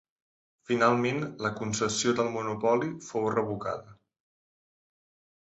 Finalment la concessió del monopoli fou revocada.